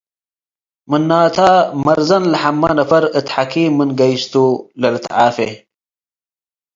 ምናተ መርዘን ለሐመ ነፈር እት ሐኪም ምን ገይስ ቱ ለልትዓፌ።